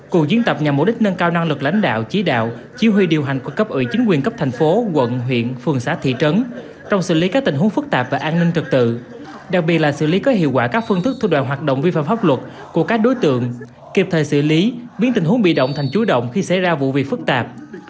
cuộc diễn tập nhằm mục đích nâng cao năng lực lãnh đạo chỉ đạo chỉ huy điều hành của cấp ủy chính quyền cấp thành phố quận huyện phường xã thị trấn trong xử lý các tình huống phức tạp và an ninh trật tự đặc biệt là xử lý có hiệu quả các phương thức thu đoàn hoạt động vi phạm pháp luật của các đối tượng kịp thời xử lý biến tình huống bị động thành chú động khi xảy ra vụ việc phức tạp